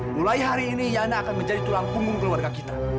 mulai hari ini yana akan menjadi tulang punggung keluarga kita